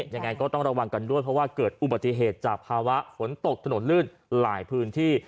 ยังไงก็ต้องระวังกันด้วยเพราะว่าเกิดอุบัติเหตุจากภาวะฝนตกถนนลื่นหลายพื้นที่